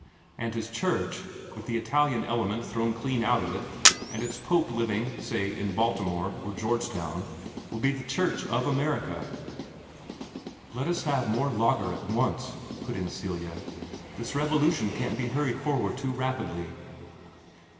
And his church with the Italian element thrown clean out of it, and its Pope living, say, in Baltimore or Georgetown will be the Church of America." "Let us have some more lager at once," put in Celia. "This revolution can't be hurried forward too rapidly."